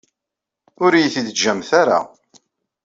Ur iyi-t-id-teǧǧamt ara.